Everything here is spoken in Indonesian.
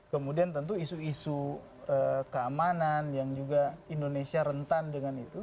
kemudian tentu isu isu keamanan yang juga indonesia rentan dengan itu